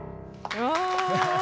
うわ！